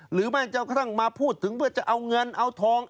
แม้กระทั่งมาพูดถึงเพื่อจะเอาเงินเอาทอง